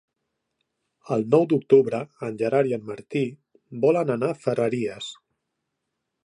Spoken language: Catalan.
El nou d'octubre en Gerard i en Martí volen anar a Ferreries.